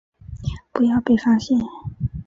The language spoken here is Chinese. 不要被发现